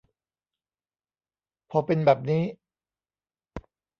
พอเป็นแบบนี้